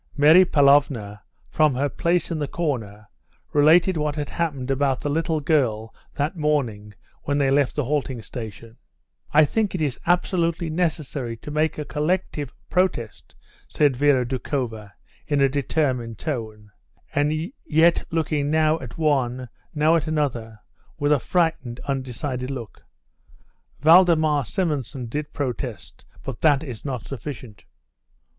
Mary Pavlovna from her place in the corner related what had happened about the little girl that morning when they left the halting station. "I think it is absolutely necessary to make a collective protest," said Vera Doukhova, in a determined tone, and yet looking now at one, now at another, with a frightened, undecided look. "Valdemar Simonson did protest, but that is not sufficient."